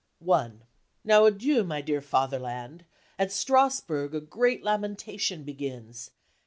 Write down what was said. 1 . Now adieu , my dear Fatherland . At Strassburg A great lamentation begins.